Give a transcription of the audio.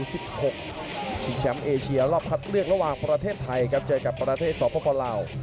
ชิงแชมป์เอเชียรอบคัดเลือกระหว่างประเทศไทยครับเจอกับประเทศสปลาว